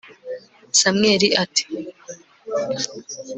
samweli ati